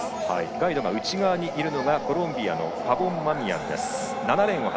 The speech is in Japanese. ガイドが内側にいるのがコロンビアのパボンマミアンです。